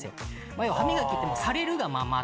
要は歯磨きってされるがまま。